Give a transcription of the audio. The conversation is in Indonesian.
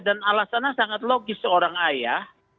dan alasannya sangat logis seorang ayah